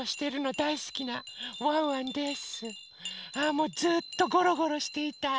もうずっとゴロゴロしていたい。